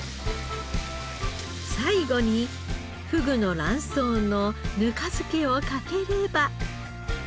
最後にふぐの卵巣の糠漬けをかければ。